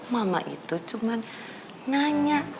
mama itu cuman nanya